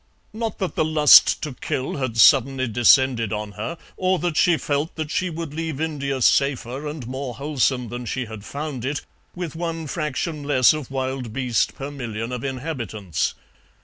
Not that the lust to kill had suddenly descended on her, or that she felt that she would leave India safer and more wholesome than she had found it, with one fraction less of wild beast per million of inhabitants.